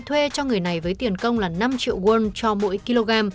thuê cho người này với tiền công là năm triệu won cho mỗi kg